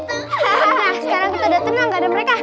hahaha sekarang kita udah tenang gak ada mereka